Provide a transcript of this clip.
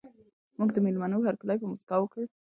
موږ د مېلمنو هرکلی په مسکا وکړ.